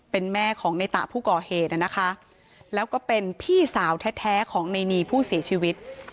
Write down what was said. เป็นแม่ของในตะผู้ก่อเหตุนะคะแล้วก็เป็นพี่สาวแท้ของในนีผู้เสียชีวิต